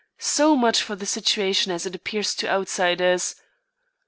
So much for the situation as it appears to outsiders.